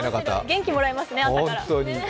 元気もらえますね、朝から。